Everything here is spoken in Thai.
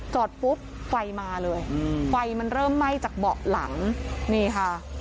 จอดปุ๊บไฟมาเลยไฟมันเริ่มไหม้จากเบาะหลังนี่ค่ะ